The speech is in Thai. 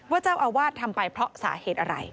เจ้าอาวาสทำไปเพราะสาเหตุอะไร